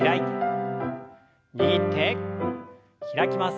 握って開きます。